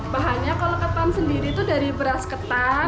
bahannya kalau ketan sendiri itu dari beras ketan